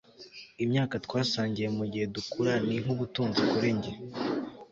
imyaka twasangiye mugihe dukura ni nkubutunzi kuri njye